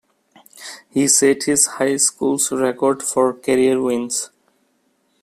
He set his high school's record for career wins.